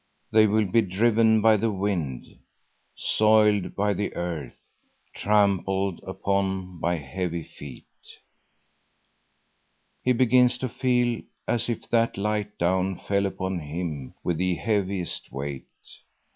They will be driven by the wind, soiled by the earth, trampled upon by heavy feet. He begins to feel as if that light down fell upon him with the heaviest weight.